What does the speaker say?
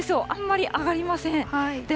あんまり上がりません。